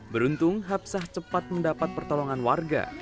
beruntung hapsah cepat mendapat pertolongan warga